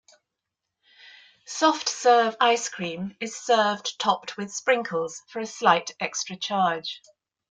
Soft serve ice cream is served topped with sprinkles for a slight extra charge.